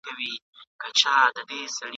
لکه د دین څخه چي یې ..